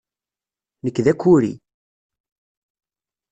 Nekk d akuri.